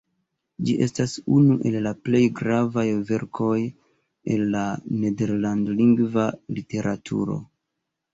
Ĝi estas unu el la plej gravaj verkoj el la nederlandlingva literaturo.